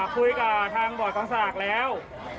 คุยกับทางบอร์ดกองสากแล้ว